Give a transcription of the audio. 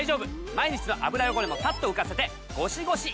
毎日の油汚れもサッと浮かせてゴシゴシいらず。